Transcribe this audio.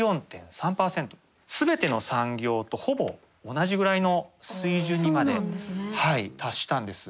全ての産業とほぼ同じぐらいの水準にまで達したんです。